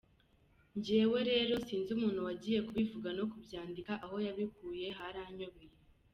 Njyewe rero sinzi umuntu wagiye kubivuga no kubyandika, aho yabikuye haranyobeye.